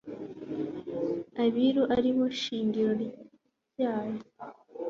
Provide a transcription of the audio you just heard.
abiru aribo shingiro ryayo